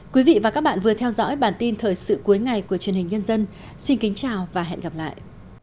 quý vị và các bạn vừa theo dõi bản tin thời sự cuối ngày của truyền hình nhân dân xin kính chào và hẹn gặp lại